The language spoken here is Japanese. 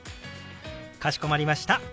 かしこまりました。